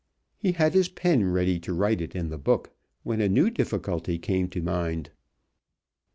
He had his pen ready to write it in the book, when a new difficulty came to mind.